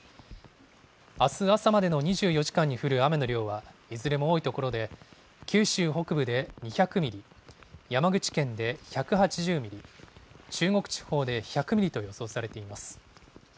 あす朝までの２４時間に降る雨の量は、いずれも多い所で、九州北部で２００ミリ、山口県で１８０ミリ、中国地方で１００ミリと予想されています。